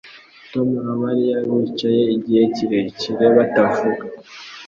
Tom na Mariya bicaye igihe kirekire batavuga.